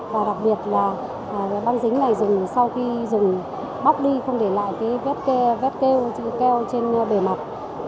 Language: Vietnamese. và đặc biệt là băng dính này sau khi dùng bóc đi không để lại vết keo trên bề mặt